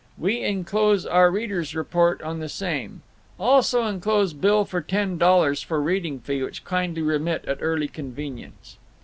We inclose our reader's report on the same. Also inclose bill for ten dollars for reading fee, which kindly remit at early convenience.